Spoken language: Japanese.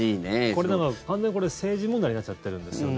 これ、完全に政治問題になっちゃってるんですよね。